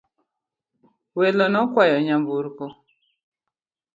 Welo nokwayo nyamburko